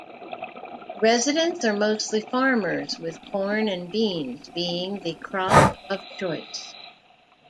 Residents are mostly farmers, with corn and beans being the crop of choice.